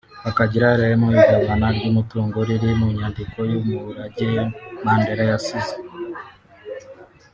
bakagira uruhare mu igabana ry’umutungo riri mu nyandiko y’umurage Mandela yasize